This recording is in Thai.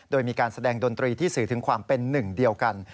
โดยมีการแสดงดนตรีที่สื่อถึงความเป็นหนึ่งเดียวกัน